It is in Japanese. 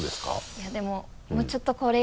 いやでももうちょっとこれ以上。